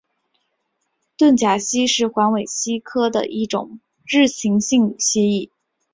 盾甲蜥是环尾蜥科的一种日行性蜥蜴。